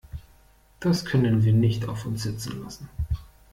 Das können wir nicht auf uns sitzen lassen!